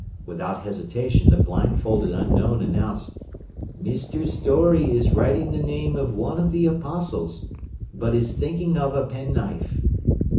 Without hesitation the blindfolded unknown announced, "Mr. Storey is writing the name of one of the Apostles, but is thinking of a penknife."